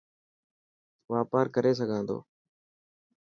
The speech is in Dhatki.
واپار ڪري سگھان ٿو.